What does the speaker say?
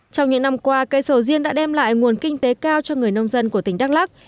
trong những năm qua cây sầu riêng đã đem lại nguồn kinh tế cao cho người nông dân của tỉnh đắk lắc